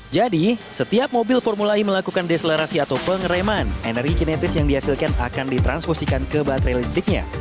jadi setiap mobil formula e melakukan deselerasi atau pengereman energi kinetis yang dihasilkan akan ditransfusikan ke baterai listriknya